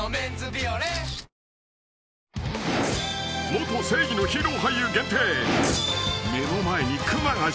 ［元正義のヒーロー俳優限定］